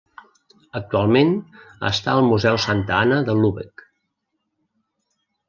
Actualment està al Museu Santa Anna de Lübeck.